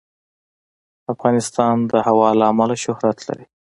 افغانستان د هوا له امله شهرت لري.